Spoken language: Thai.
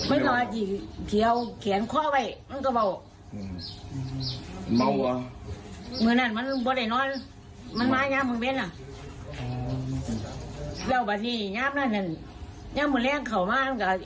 โอ๊ยลูกเขยยุ่งชิละ